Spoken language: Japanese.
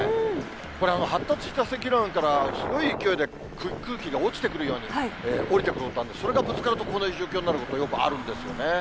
これ、発達した積乱雲からすごい勢いで空気が落ちてくるような、下りてくる、それがぶつかるとこういう状況になることがよくあるんですよね。